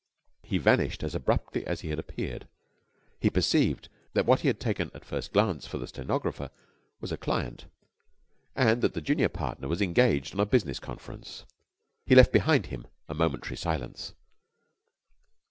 He vanished as abruptly as he had appeared. He perceived that what he had taken at first glance for the stenographer was a client, and that the junior partner was engaged on a business conference. He left behind him a momentary silence.